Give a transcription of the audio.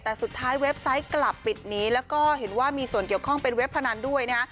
แต่สุดท้ายเว็บไซต์กลับปิดนี้แล้วก็เห็นว่ามีส่วนเกี่ยวข้องเป็นเว็บพนันด้วยนะฮะ